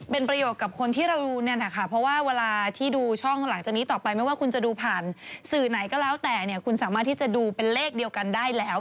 เป็นประโยชน์กับคนที่เราดูเนี่ยนะคะเพราะว่าเวลาที่ดูช่องหลังจากนี้ต่อไปไม่ว่าคุณจะดูผ่านสื่อไหนก็แล้วแต่เนี่ยคุณสามารถที่จะดูเป็นเลขเดียวกันได้แล้ว